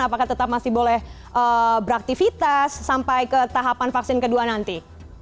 apakah tetap masih boleh beraktivitas sampai ke tahapan vaksin kedua nanti